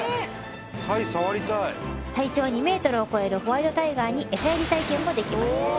体長２ｍを超えるホワイトタイガーにエサやり体験もできます